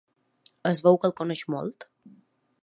Es veu que el coneix molt.